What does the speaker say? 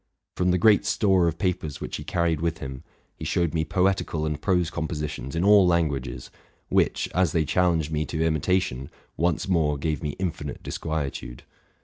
From the great store of papers which he carried with him, he showed me poetical and prose compositions in all languages, which, as they challenged me to imitation, once more gave me infinite disquietude.